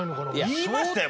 言いましたよ